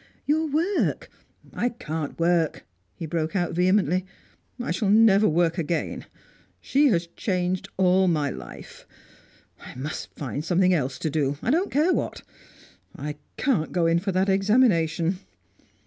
Your work " "I can't work!" he broke out vehemently "I shall never work again. She has changed all my life. I must find something else to do I don't care what. I can't go in for that examination."